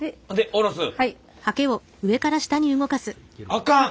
あかん！